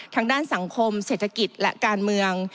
ทางด้านสังคมเศรษฐกิจและการเมือง